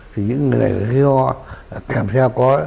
thì những người này có khi ho là kèm theo có đầm